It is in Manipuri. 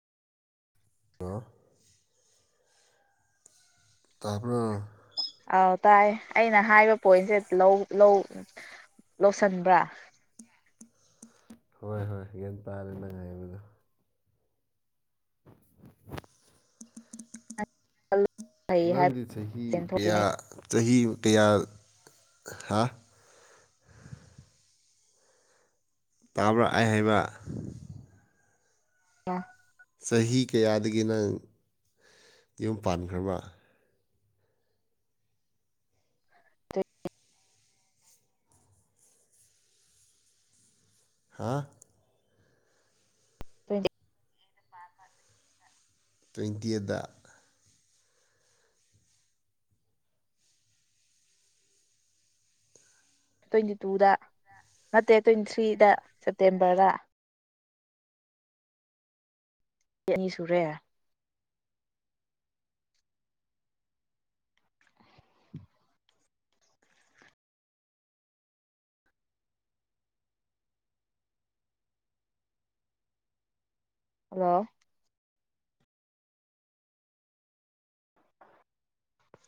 ꯇ ꯇꯥꯕꯔꫭ ꯑꯥꯎ ꯇꯥꯏ ꯑꯩꯅꯥ ꯍꯥꯏꯕꯥ ꯄꯣꯏꯟꯁꯦ ꯂꯧ ꯂꯧ꯫ ꯂꯧꯁꯤꯟꯕ꯭ꯔꯥ? ꯍꯣꯏ ꯍꯣꯏ ꯒꯌꯥꯟ ꯇꯥꯔꯦ ꯅꯪ ꯉꯥꯏꯕꯗꯣ ꯐꯩ ꯍꯥꯏꯕ ꯅꯪꯒꯤ ꯆꯍꯤ ꯀꯌꯥ ꯆꯍꯤ ꯀꯌꯥ ꯍꯥ ꯇꯥꯕ꯭ꯔꯥ ꯑꯩꯅꯥ ꯍꯥꯏꯕ ꯋꯥ [unintelligible] ꯆꯍꯤ ꯀꯌꯥꯗꯒꯤ ꯅꯪ ꯌꯨꯝ ꯄꯥꯟꯈ꯭ꯔꯕꯥ ꯍꯥꯥꯍ ꯇꯋꯦꯟ [unintelligible] [inaudible] ꯇ꯭ꫭꯟꯇꯤꯌꯦꯠꯇꯥ ꯇ꯭ꯋꯦꯟꯇꯤ ꯇꯨꯗꯥ ꯅꯠꯇꯦ ꯇ꯭ꯋꯦꯟꯇꯤ ꯊ꯭ꯔꯤꯗ ꯁꯦꯞꯇꯦꯝꯕꯔꯗꯥ꯫ ꯆꯍꯤ ꯑꯅꯤ ꯁꯨꯔꯦ ꯍꯜꯂꯣ